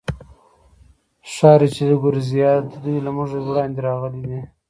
ښکاري، چې د ګوریزیا دي، دوی له موږ وړاندې راغلي دي.